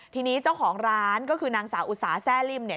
ทีนี้เจ้าของร้านก็คือนางสาวอุตสาแซ่ลิ่มเนี่ย